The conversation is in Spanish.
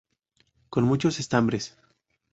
Con muchos estambres.